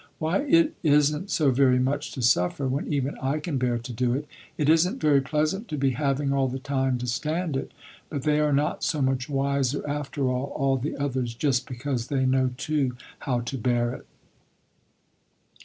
Why it isn't so very much to suffer, when even I can bear to do it. It isn't very pleasant to be having all the time, to stand it, but they are not so much wiser after all, all the others just because they know too how to bear it.